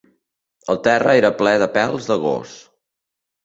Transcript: El terra era ple de pèls de gos.